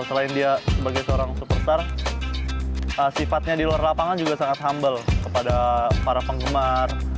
selain dia sebagai seorang superstar sifatnya di luar lapangan juga sangat humble kepada para penggemar